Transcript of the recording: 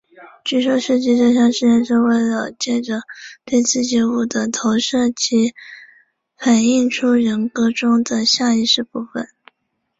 据说设计这项测验是为了藉着对刺激物的投射以反映出人格中的下意识部分。